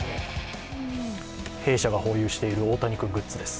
弊社が保有している大谷君グッズです。